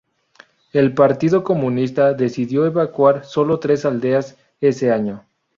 El partido comunista decidió evacuar sólo tres aldeas ese año.